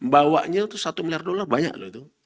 bawanya itu satu miliar dolar banyak loh itu